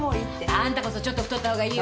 あんたこそちょっと太ったほうがいいわよ。